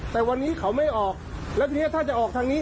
แต่วันนี้เขาไม่ออกแล้วทีนี้ถ้าจะออกทางนี้